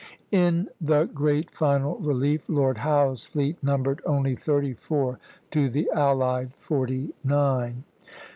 In the great final relief, Lord Howe's fleet numbered only thirty four to the allied forty nine.